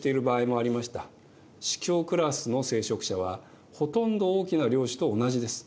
司教クラスの聖職者はほとんど大きな領主と同じです。